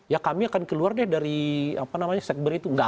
ya kami akan keluar deh dari segber itu